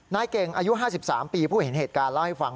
นายเก่งอายุ๕๓ปีผู้เห็นเหตุการณ์เล่าให้ฟัง